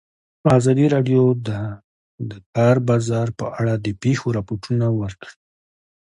ازادي راډیو د د کار بازار په اړه د پېښو رپوټونه ورکړي.